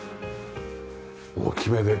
大きめで。